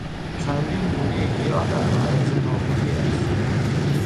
چندین گونه گیاه در معرض نابودی است.